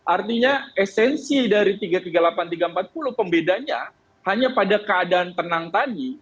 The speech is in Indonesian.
artinya esensi dari tiga ratus tiga puluh delapan tiga ratus empat puluh pembedanya hanya pada keadaan tenang tadi